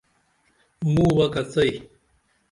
مُووہ کڅئی!